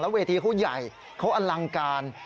แล้วเวทีเค้าใหญ่เค้าอัลังการ